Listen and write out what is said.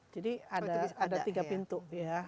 ada tiga pintu ya